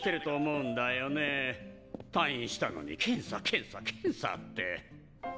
退院したのに検査検査検査って。